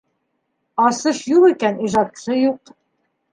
Асыш юҡ икән - ижадсы юҡ.